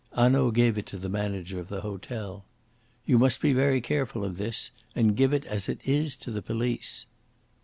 Hanaud gave it to the manager of the hotel. "You must be very careful of this, and give it as it is to the police."